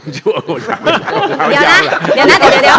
เดี๋ยวนะ